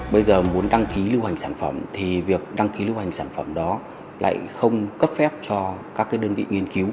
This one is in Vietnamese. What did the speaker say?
bây giờ muốn đăng ký lưu hành sản phẩm thì việc đăng ký lưu hành sản phẩm đó lại không cấp phép cho các đơn vị nghiên cứu